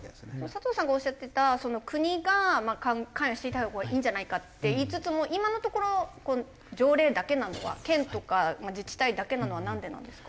佐藤さんがおっしゃってた国が関与していた方がいいんじゃないかって言いつつも今のところ条例だけなのは県とか自治体だけなのはなんでなんですか？